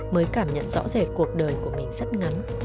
mới cảm nhận rõ rệt cuộc đời của mình rất ngắn